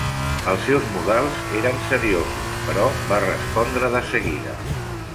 Els seus modals eren seriosos, però va respondre de seguida.